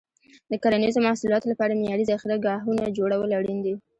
د کرنیزو محصولاتو لپاره معیاري ذخیره ګاهونه جوړول اړین دي.